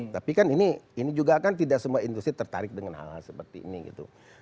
tapi kan ini juga kan tidak semua industri tertarik dengan hal hal seperti ini gitu